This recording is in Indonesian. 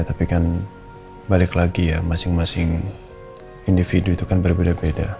tapi kan balik lagi ya masing masing individu itu kan berbeda beda